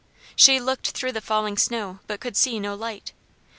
She looked through the falling snow but could see no light.